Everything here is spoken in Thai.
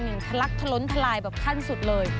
อย่างคลักษณ์ทะล้นทะลายแบบขั้นสุดเลย